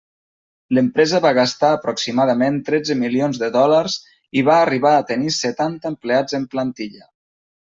L'empresa va gastar aproximadament tretze milions de dòlars i va arribar a tenir setanta empleats en plantilla.